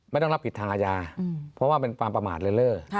ไม่ต้องรับผิดทางอาญาเพราะว่าเป็นความประมาทเล่อ